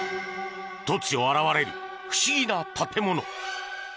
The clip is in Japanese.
突如現れる不思議な建物。